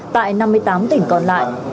tại năm mươi tám tỉnh còn lại